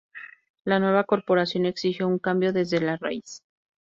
La nueva corporación exigió un cambio desde la raíz.